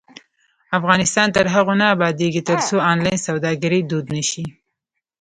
افغانستان تر هغو نه ابادیږي، ترڅو آنلاین سوداګري دود نشي.